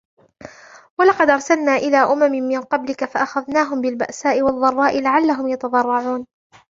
ولقد أرسلنا إلى أمم من قبلك فأخذناهم بالبأساء والضراء لعلهم يتضرعون